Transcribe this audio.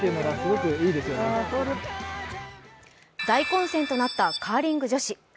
大混戦となったカーリング女子。